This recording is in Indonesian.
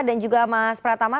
dan juga mas pratama